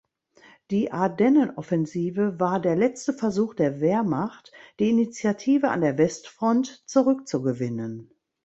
Die Ardennenoffensive war der letzte Versuch der Wehrmacht, die Initiative an der Westfront zurückzugewinnen.